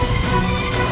aku akan menangkapmu